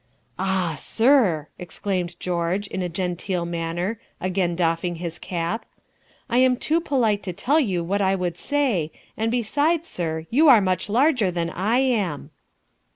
"Ah, sir," exclaimed George, in a genteel manner, again doffing his cap, "I am too polite to tell you what I would say, and besides, sir, you are much larger than I am."